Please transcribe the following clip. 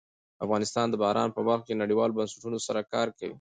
افغانستان د باران په برخه کې نړیوالو بنسټونو سره کار کوي.